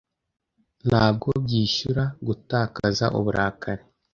Ntabwo byishyura gutakaza uburakari.